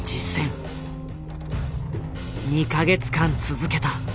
２か月間続けた。